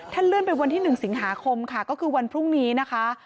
เลื่อนไปวันที่๑สิงหาคมค่ะก็คือวันพรุ่งนี้นะคะ